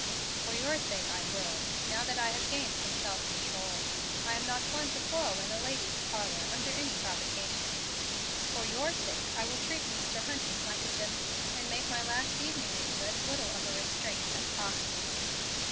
"For your sake I will, now that I have gained some self control. I am not one to quarrel in a lady's parlor under any provocation. For your sake I will treat Mr. Hunting like a gentleman, and make my last evening with you as little of a restraint as possible."